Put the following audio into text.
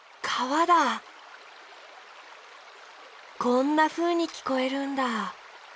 こんなふうにきこえるんだ。